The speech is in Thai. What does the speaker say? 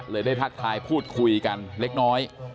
ได้ทักทายพูดคุยกันเล็กน้อย